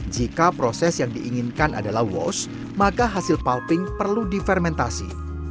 jika proses yang diinginkan adalah wash maka hasil pulping perlu difermentasi